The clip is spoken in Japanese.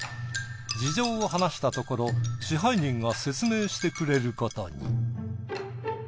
事情を話したところ支配人が説明してくれることに。